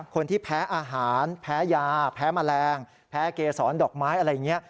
คนที่แพ้อาหารแพ้ยาแพ้แมลงแพ้เกษรดอกไม้อะไรอย่างนี้